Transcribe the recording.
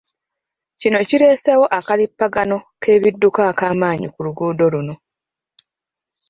Kino kireeseewo akalippagano k'ebidduka akamaanyi ku luggudo luno.